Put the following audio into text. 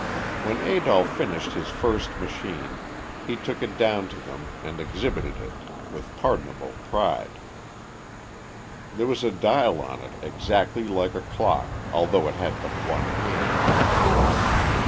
When Adolph finished his first machine, he took it down to them and exhibited it with pardonable pride. There was a dial on it exactly like a clock, although it had but one hand.